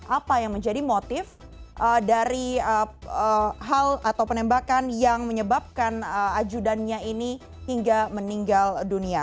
apa yang menjadi motif dari hal atau penembakan yang menyebabkan ajudannya ini hingga meninggal dunia